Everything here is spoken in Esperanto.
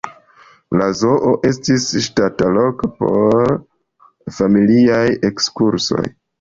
La zoo estis ŝatata loko por familiaj ekskursoj.